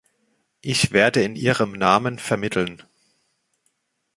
Ich werde in Ihrem Namen vermitteln.